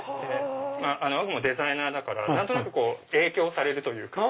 僕もデザイナーだから何となく影響されるというか。